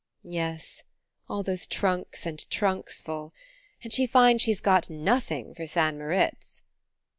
"Yes: all those trunks and trunks full. And she finds she's got nothing for St. Moritz!"